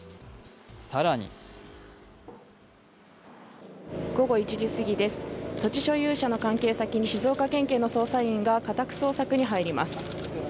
更に午後１時過ぎです、土地所有者の関係先に静岡県警の捜査員が家宅捜索に入ります。